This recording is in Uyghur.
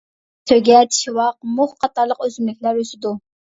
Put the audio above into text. سۆگەت، شىۋاق، مۇخ قاتارلىق ئۆسۈملۈكلەر ئۆسىدۇ.